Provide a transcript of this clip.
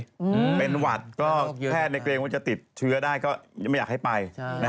เหมือนวัดแพทย์ในเกรงมันจะติดเธ้บเจ้าไม่อยากให้ไป